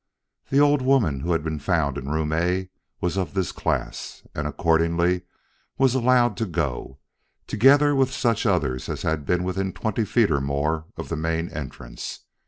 The old woman who had been found in Room A was of this class, and accordingly was allowed to go, together with such others as had been within twenty feet or more of the main entrance.